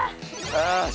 よし！